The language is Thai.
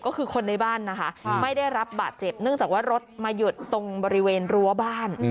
ก็คือคนในบ้านนะคะไม่ได้รับบาดเจ็บเนื่องจากว่ารถมาหยุดตรงบริเวณรั้วบ้าน